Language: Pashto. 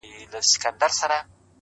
پوهه د ذهن بندې لارې خلاصوي